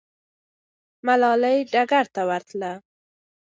ملالۍ ډګر ته ورتله.